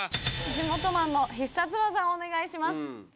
地元マンの必殺技をお願いします。